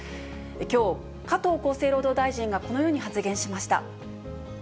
きょう、加藤厚生労働大臣がこのように発言しました。